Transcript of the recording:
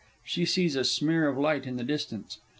(_She sees a smear of light in the distance.